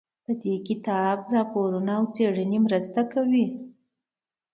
د دې کتاب راپورونه او څېړنې مرسته کوي.